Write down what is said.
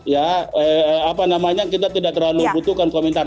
ya apa namanya kita tidak terlalu butuhkan komentar